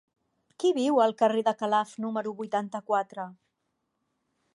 Qui viu al carrer de Calaf número vuitanta-quatre?